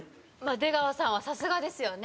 出川さんは、さすがですよね。